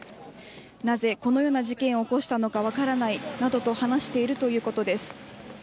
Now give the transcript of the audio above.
なぜこのような事件を起こしたのか分からないなどと話しているということです。